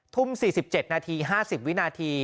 ทุ่ม๔๗นาที๕๐วินาที